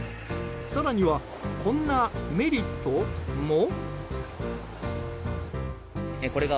更にはこんなメリット？も。